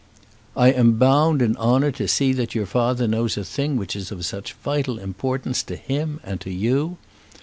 "I am bound in honour to see that your father knows a thing which is of such vital importance to him and to you.